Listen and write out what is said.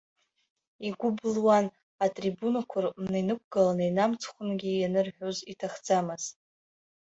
Игәы былуан, атрибунақәа рыҟны иқәгыланы инамцхәынгьы ианырҳәоз иҭахӡамызт.